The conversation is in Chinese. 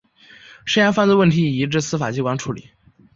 涉嫌犯罪问题已移送司法机关处理。